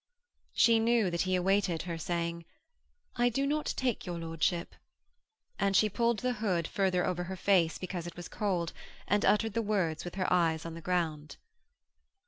She knew that he awaited her saying: 'I do not take your lordship,' and she pulled the hood further over her face because it was cold, and uttered the words with her eyes on the ground.